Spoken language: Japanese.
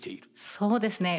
そうですね。